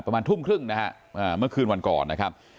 ประมาณทุ่มครึ่งนะฮะเมื่อคืนวันก่อนนะครับ